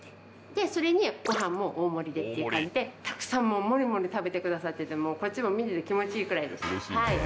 で、それにごはんも大盛りでっていう感じで、たくさん、もうもりもり食べてくださってて、もうこっちも見てて気持ちいいくらいです。